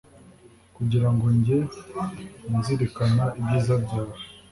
kugira ngo njye nzirikana ibyiza byawe